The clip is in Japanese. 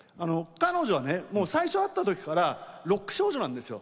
彼女は最初会ったときからロック少女なんですよ。